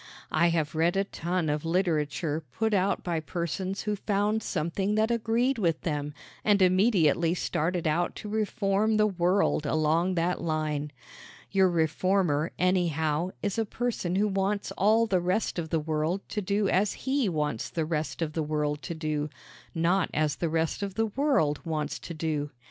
I have read a ton of literature put out by persons who found something that agreed with them and immediately started out to reform the world along that line. Your reformer, anyhow, is a person who wants all the rest of the world to do as he wants the rest of the world to do, not as the rest of the world wants to do.